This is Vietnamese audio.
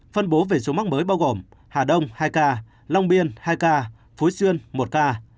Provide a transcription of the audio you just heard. phân bố về số mắc mới bao gồm hà đông hai ca long biên hai ca phú xuyên một ca